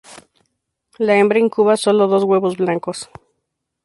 La hembra incuba sola dos huevos blancos.